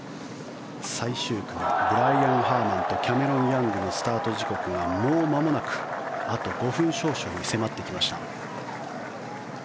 最終組ブライアン・ハーマンとキャメロン・ヤングのスタート時刻が、もうまもなくあと５分少々に迫ってきました。